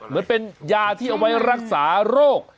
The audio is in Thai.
เหมือนเป็นยาที่เอาไว้รักษาโรค